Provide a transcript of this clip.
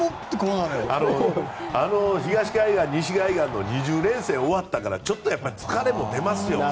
東海岸、西海岸の２０連戦が終わったからちょっと疲れも出ますよね。